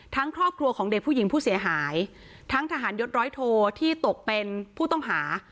ครอบครัวของเด็กผู้หญิงผู้เสียหายทั้งทหารยศร้อยโทที่ตกเป็นผู้ต้องหา